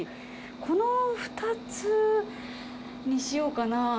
この２つにしようかな。